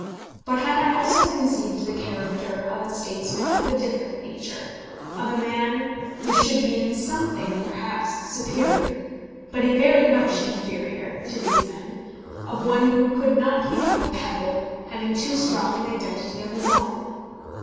But I had also conceived the character of a statesman of a different nature of a man who should be in something perhaps superior, but in very much inferior, to these men of one who could not become a pebble, having too strong an identity of his own.